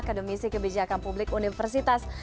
kedomisi kebijakan publik universitas